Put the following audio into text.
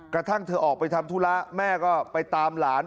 กระทั่งเธอออกไปทำธุระแม่ก็ไปตามหลาน